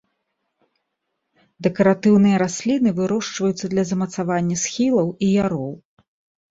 Дэкаратыўныя расліны, вырошчваюцца для замацавання схілаў і яроў.